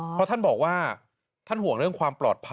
เพราะท่านบอกว่าท่านห่วงเรื่องความปลอดภัย